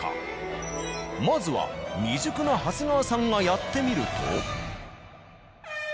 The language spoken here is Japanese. まずは未熟な長谷川さんがやってみると。